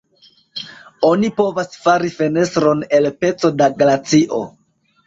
Oni povas fari fenestron el peco da glacio.